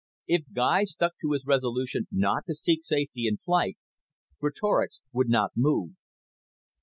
If Guy stuck to his resolution not to seek safety in flight, Greatorex would not move.